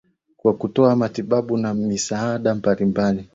kwa kutoa matibabu na misaada mbalimbali